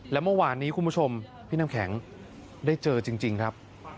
และเมื่อวานนี้คุณผู้ชมพี่น้ำแข็งได้เจอจริงครับ